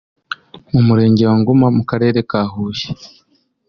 mu Murenge wa Ngoma mu Karere ka Huye